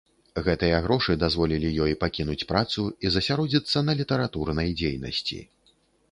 Гэтыя грошы дазволілі ёй пакінуць працу і засяродзіцца на літаратурнай дзейнасці.